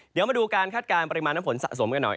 เดี๋ยวมาดูการคาดการณ์ปริมาณน้ำฝนสะสมกันหน่อย